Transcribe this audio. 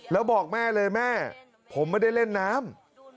แล้วบอกแม่เลยแม่ผมไม่ได้เล่นน้ำ